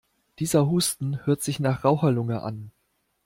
Dieser Husten hört sich nach Raucherlunge an.